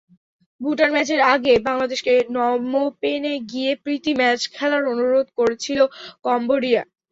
ভুটান ম্যাচের আগে বাংলাদেশকে নমপেনে গিয়ে প্রীতি ম্যাচ খেলার অনুরোধ করেছিল কম্বোডিয়া।